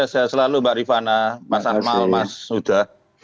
sehat selalu mbak rifana mas akmal mas huda